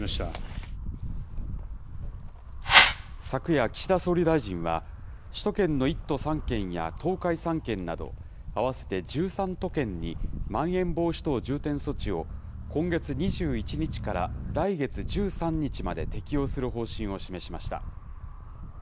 昨夜、岸田総理大臣は、首都圏の１都３県や東海３県など、合わせて１３都県にまん延防止等重点措置を、今月２１日から来月１３日まで適用する方針を示しました。